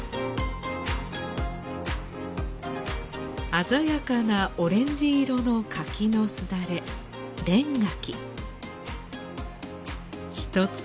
鮮やかなオレンジ色の柿のすだれ、連柿。